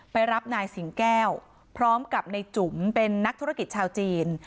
ไปรับนายสิงแก้วพร้อมกับในจุ๋มเป็นนักธุรกิจชาวจีน